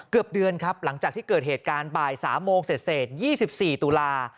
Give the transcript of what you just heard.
เกือบเดือนครับหลังจากที่เกิดเหตุการณ์บ่าย๓โมงเสร็จ๒๔ตุลา